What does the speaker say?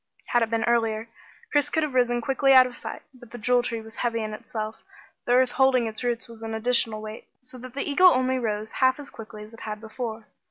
Had it been earlier, Chris could have risen quickly out of sight. But the Jewel Tree was heavy in itself; the earth holding its roots was an additional weight, so that the eagle only rose half as quickly as it had before.